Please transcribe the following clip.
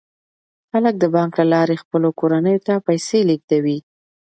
خلک د بانک له لارې خپلو کورنیو ته پیسې لیږدوي.